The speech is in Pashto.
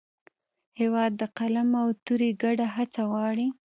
هېواد د قلم او تورې ګډه هڅه غواړي.